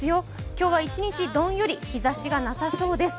今日は一日どんより、日ざしがなさそうです。